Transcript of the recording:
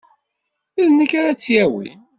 D nekk ara tt-yawin.